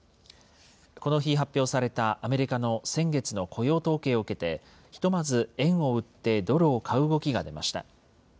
この日、発表されたアメリカの先月の雇用統計を受けて、ひとまず円を売ってドルを買う動きが出ました。